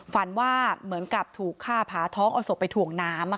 ฝันว่าเหมือนกับถูกฆ่าผาท้องเอาศพไปถ่วงน้ำ